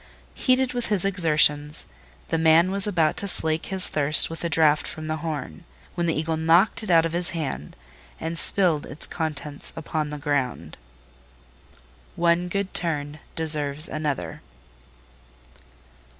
Heated with his exertions, the man was about to slake his thirst with a draught from the horn, when the Eagle knocked it out of his hand, and spilled its contents upon the ground. One good turn deserves another.